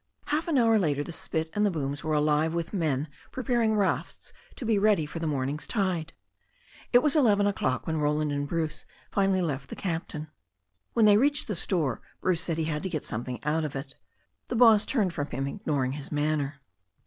Half an hour later the spit and the booms were alive with men preparing rafts to be ready for the morning's tide. It was eleven o'clock when Roland and Bruce finally left the captain. When they reached the store, Bruce said he had to get something out of it. The boss turned from him, ignoring his manner.